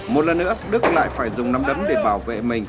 một lần nữa đức lại phải dùng nắm đấm để bảo vệ mình